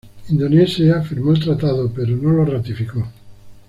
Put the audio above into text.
Indonesia firmó el tratado, pero no lo ratificó.